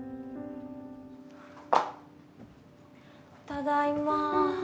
ただいま。